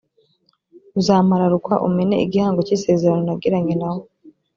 uzampararukwa umene igihango cy’isezerano nagiranye na wo.